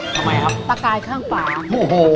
ทำไมครับตะกายข้างฝาโอ้โห